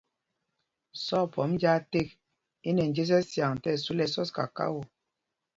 Sɔkphɔmb njāā ték i nɛ njes ɛsyaŋ tí ɛsu lɛ ɛsɔs kakao.